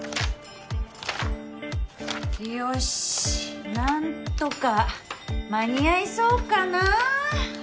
よしなんとか間に合いそうかな。